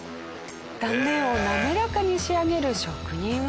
断面を滑らかに仕上げる職人技。